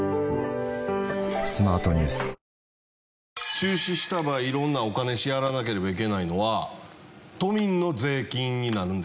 中止した場合色んなお金支払わなければいけないのは都民の税金になるんですかね？